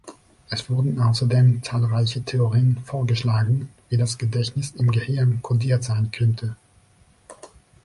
Es wurden außerdem zahlreiche Theorien vorgeschlagen, wie das Gedächtnis im Gehirn codiert sein könnte.